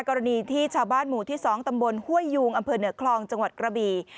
กรณีที่ชาวบ้านหมู่ที่๒ตำบลห้วยยูงอำเภอเหนือคลองจังหวัดกระบี